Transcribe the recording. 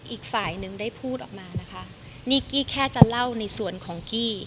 อีกฝ่ายหนึ่งได้พูดออกมานะคะนี่กี้แค่จะเล่าในส่วนของกี้